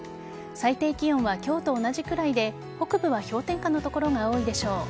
最低気温は今日と同じくらいで北部は氷点下の所が多いでしょう。